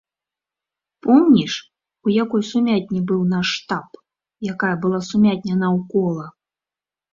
Помніш, у якой сумятні быў наш штаб, якая была сумятня наўкола?